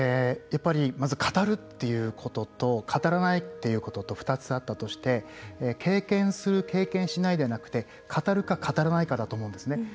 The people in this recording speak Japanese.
やっぱり、まず語るということと語らないということと２つあったとして経験する、経験しないではなくて語るか語らないかだと思うんですね。